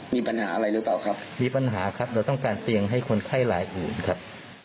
มีปัญหาอะไรหรือเปล่าครับมีปัญหาครับเราต้องการเตียงให้คนไข้รายอื่นครับ